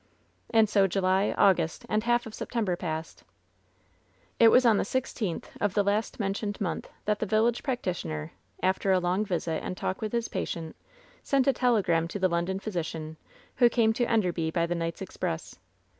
And so July, August and half of September passed. It was on the sixteenth of the last mentioned month that the village practitioner, after a long visit and talk with his patient, sent a telegram to the London physi cian, who came to Enderby by the night's express.